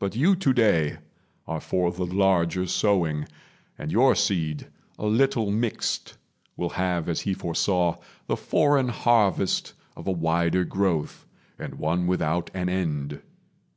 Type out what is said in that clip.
But you today Are for the larger sowing; and your seed, A little mixed, will have, as He foresaw, The foreign harvest of a wider growth, And one without an end.